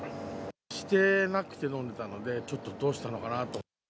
してなくて飲んでたので、ちょっとどうしたのかなと。